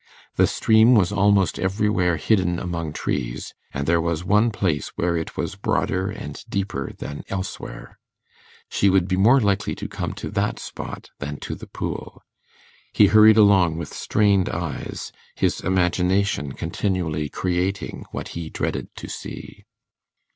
The stream was almost everywhere hidden among trees, and there was one place where it was broader and deeper than elsewhere she would be more likely to come to that spot than to the pool. He hurried along with strained eyes, his imagination continually creating what he dreaded to see.